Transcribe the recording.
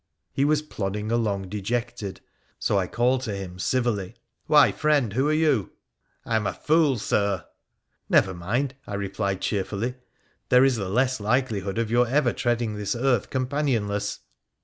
He was plodding along dejected, so I called to him chilly. ' Why, friend ! Who are you ?' 'lama fool, Sir !'' Never mind,' I replied cheerfully, ' there is the less likelihood of your ever treading this earth companionless.'